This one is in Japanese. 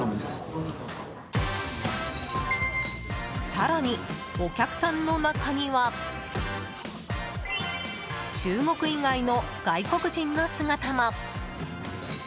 更に、お客さんの中には中国以外の外国人の姿も。